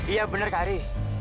iya benar kak ari